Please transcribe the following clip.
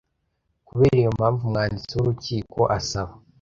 Kubera iyo mpamvu umwanditsi w urukiko asaba